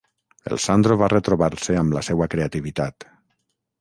El Sandro va retrobar-se amb la seua creativitat.